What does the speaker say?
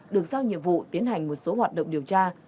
được giao nhiệm vụ tiến hành một số hoạt động điều tra